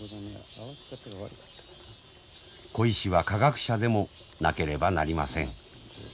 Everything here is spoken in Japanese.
鯉師は科学者でもなければなりません。